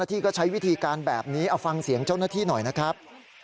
โอ้โหนี่แหละคุณผู้ชมไอ้รังต่อตรงเนี้ยมันอยู่ในดินเนี้ยคุณ